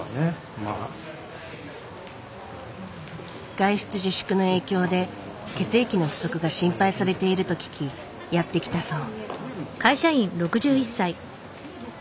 外出自粛の影響で血液の不足が心配されていると聞きやって来たそう。